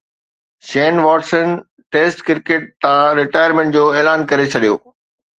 شين Watson test cricket تان retirement جو اعلان ڪري ڇڏيو